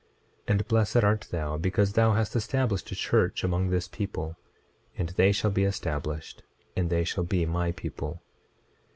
26:17 And blessed art thou because thou hast established a church among this people; and they shall be established, and they shall be my people.